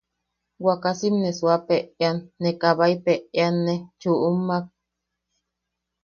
Wakasim ne suuapeʼean, ne kabaipeʼeanne chuʼummak.